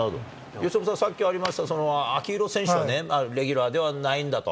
由伸さん、さっきありました秋広選手をレギュラーではないんだと。